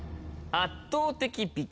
圧倒的美形！